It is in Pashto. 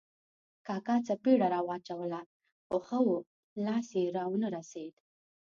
کاکا څپېړه را واچوله خو ښه وو، لاس یې را و نه رسېد.